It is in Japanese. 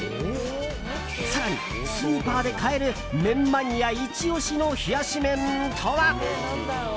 更にスーパーで買える麺マニアイチ押しの冷やし麺とは。